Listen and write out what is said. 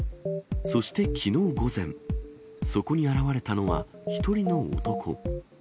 そしてきのう午前、そこに現れたのは、１人の男。